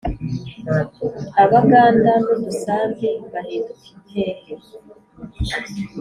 abaganda n’udusambi bahinduka impehe